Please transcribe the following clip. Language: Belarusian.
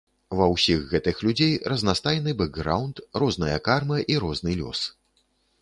Ва ўсіх гэтых людзей разнастайны бэкграўнд, розная карма і розны лёс.